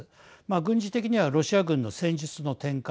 軍事的にはロシア軍の戦術の転換